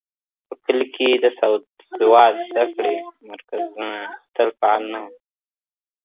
په کلیو کي د سواد زده کړې مرکزونه تل فعال نه وو.